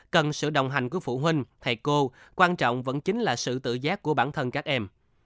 cần sự đồng hành của phụ huynh thầy cô quan trọng vẫn chính là sự tự giác của bản thân các em